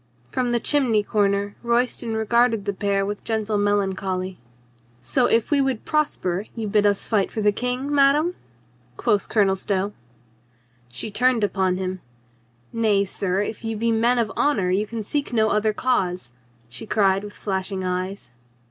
From the chimney corner Royston regarded the pair with gentle melan choly. "So if we would prosper you bid us fight for the King, madame?" quoth Colonel Stow. She turned upon him. "Nay, sir, if you be men of honor you can seek no other cause," she cried with flashing eyes.